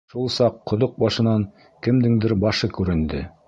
Шул саҡ ҡоҙоҡ башынан кемдеңдер башы күренде.